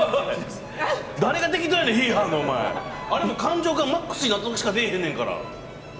誰が適当やねん、あれも感情がマックスになったときしか出ないんやから。